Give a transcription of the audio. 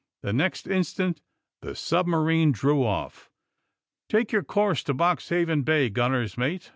The next instant the submarine drew off. Take your course to Boxhaven Bay, gun ner *8 mate!"